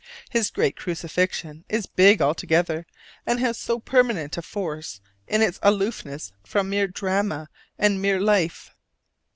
His great Crucifixion is big altogether, and has so permanent a force in its aloofness from mere drama and mere life.